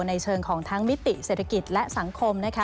ในเชิงของทั้งมิติเศรษฐกิจและสังคมนะคะ